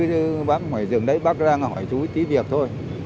chứ bác ngoài rừng đấy bác đang hỏi chú tí việc thôi